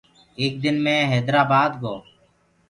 ايڪ دن مي هيدرآبآد گو۔